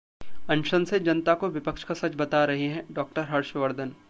अनशन से जनता को विपक्ष का सच बता रहे हैं: डॉ. हर्षवर्धन